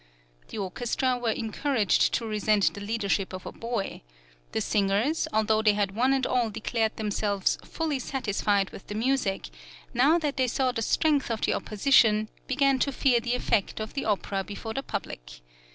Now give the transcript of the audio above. The orchestra were encouraged to resent the leadership of a boy; the singers, although they had one and all declared themselves fully satisfied with the music, now that they saw the strength of the opposition, began to fear the effect of the opera before the public.